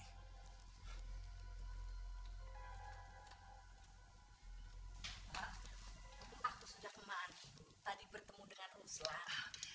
pak aku sudah kemarin tadi bertemu dengan ruslan